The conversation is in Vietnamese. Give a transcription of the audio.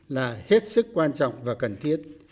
là hết sức quan trọng và cần thiết